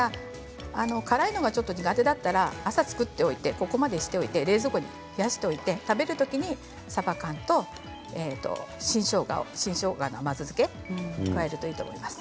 辛いのがちょっと苦手だったら朝、作っておいてここまでしておいて冷蔵庫で冷やしておいて食べるときにさば缶と新しょうがの甘酢漬けを加えるといいと思います。